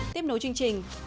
tiếp nối chương trình